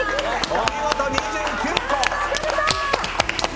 お見事、２９個。